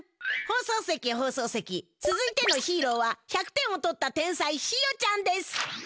放送席放送席つづいてのヒーローは１００点をとった天才ひよちゃんです！